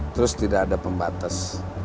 terus tidak ada pembatas